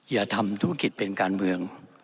อย่าทำธุรกิจเป็นการเมือง